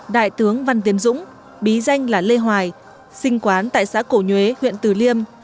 đại tướng văn tiến dũng bí danh là lê hoài sinh quán tại xã cổ nhuế huyện tử liêm